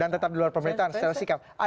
dan tetap di luar pemerintahan secara sikap